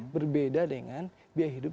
berbeda dengan biaya hidup